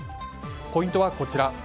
ポイントはこちら。